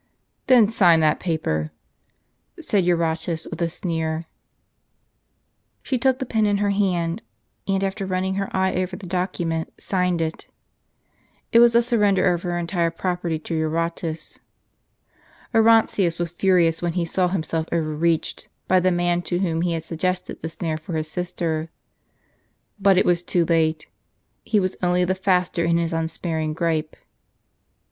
"Then sign that paper," said Eurotas, with a sneer. She took the pen in her hand, and after running her eye over the document, signed it. It was a surrender of her entire property to Eurotas. Orontius was furious when he saw himself overreached, by the man to whom he had sug gested the snare for his sister. But it was too late ; he was only the faster in his unsparing gripe.